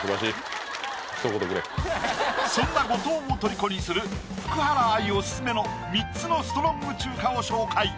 そんな後藤をとりこにする福原愛オススメの３つのストロング中華を紹介